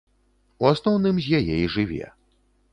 У асноўным з яе і жыве.